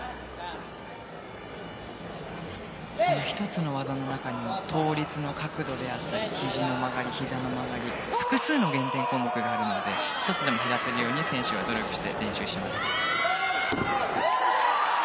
１つの技の中に倒立の角度であったりひじの曲がり、ひざの曲がりと複数の減点項目があるので１つでも減らせるように選手は努力して練習します。